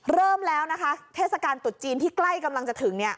เริ่มแล้วนะคะเทศกาลตุดจีนที่ใกล้กำลังจะถึงเนี่ย